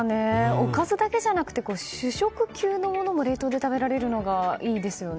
おかずだけじゃなくて主食級のものも冷凍で食べられるのがいいですよね。